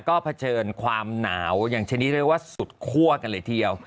ก็เผชิญความหนาวอย่างชนิดเรียกว่าสุดคั่วกันเลยทีเดียว